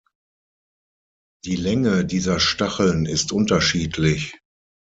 Die Länge dieser Stacheln ist unterschiedlich.